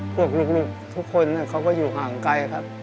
พวกลูกทุกคนเขาก็อยู่ห่างไกลครับ